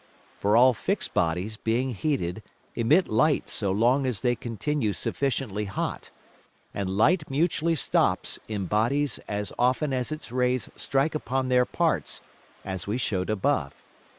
For all fix'd Bodies being heated emit Light so long as they continue sufficiently hot, and Light mutually stops in Bodies as often as its Rays strike upon their Parts, as we shew'd above.